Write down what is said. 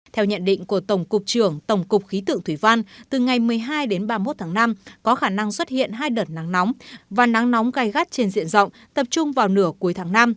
theo nhận định của tổng cục trưởng tổng cục khí tượng thủy văn từ ngày một mươi hai đến ba mươi một tháng năm có khả năng xuất hiện hai đợt nắng nóng và nắng nóng gai gắt trên diện rộng tập trung vào nửa cuối tháng năm